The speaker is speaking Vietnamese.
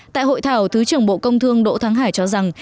tại hội thảo thứ trưởng bộ công thương đỗ thắng hải cho rằng